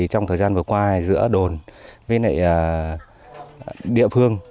trong thời gian vừa qua giữa đồn với địa phương